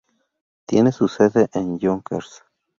Tiene su sede en Yonkers.